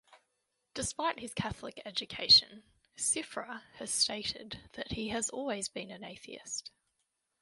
Despite his Catholic education, Siffre has stated that he has always been an atheist.